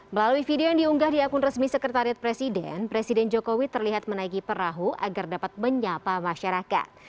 melalui video yang diunggah di akun resmi sekretariat presiden presiden jokowi terlihat menaiki perahu agar dapat menyapa masyarakat